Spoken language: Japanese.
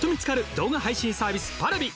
動画配信サービスＰａｒａｖｉ。